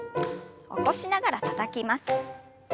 起こしながらたたきます。